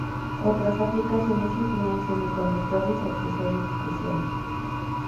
Otras aplicaciones incluyen semiconductores y accesorios especiales.